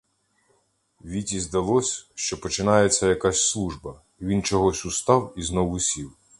Віті здалось, що починається якась служба: він чогось устав і знову сів.